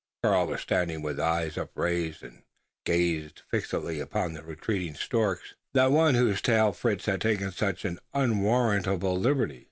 Karl was standing with eyes upraised and gazing fixedly upon the retreating stork that one with whose tail Fritz had taken such an unwarrantable liberty.